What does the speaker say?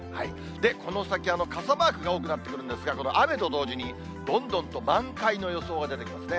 この先、傘マークが多くなってくるんですが、この雨と同時に、どんどんと満開の予想が出てきますね。